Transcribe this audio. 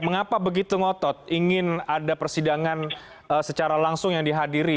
mengapa begitu ngotot ingin ada persidangan secara langsung yang dihadiri